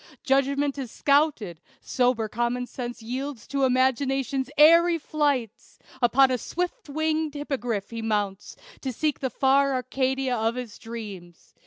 Judgment is scouted sober common sense Yields to imagination's airy flights; Upon a swift winged hippogriff he mounts, To seek the fair Arcadia of his dreams.